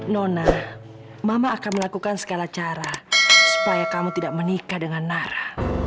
nona mama akan melakukan segala cara supaya kamu tidak menikah dengan nara